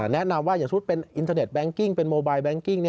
แนะนำว่าอย่างสมมุติเป็นอินเทอร์เน็งกิ้งเป็นโมบายแบงกิ้ง